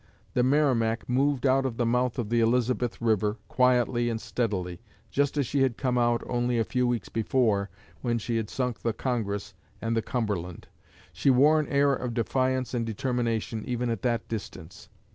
The 'Merrimac' moved out of the mouth of the Elizabeth river, quietly and steadily, just as she had come out only a few weeks before when she had sunk the 'Congress' and the 'Cumberland.' She wore an air of defiance and determination even at that distance.